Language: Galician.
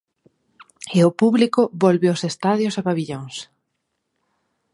E o público volve aos estadios e pavillóns.